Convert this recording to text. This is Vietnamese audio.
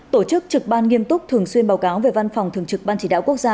tổ chức trực ban nghiêm túc thường xuyên báo cáo về văn phòng thường trực ban chỉ đạo quốc gia